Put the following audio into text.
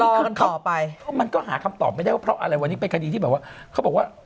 เราต่อไปมันก็หาคำตอบไม่ได้วันนี้เป็นคดีที่แบบว่า